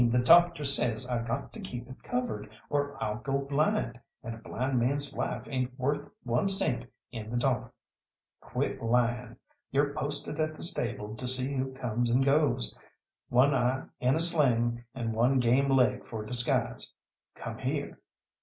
"I mean the doctor says I got to keep it covered, or I'll go blind and a blind man's life ain't worth one cent in the dollar." "Quit lying! You're posted at the stable to see who comes and goes, one eye in a sling and one game leg for disguise. Come here!"